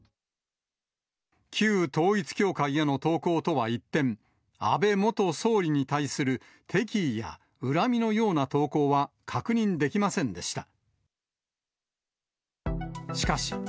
旧統一教会への投稿とは一転、安倍元総理に対する敵意や恨みのような投稿は、確認できませんでした。